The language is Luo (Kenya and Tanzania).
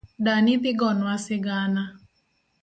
Dani dhi gonwa sigana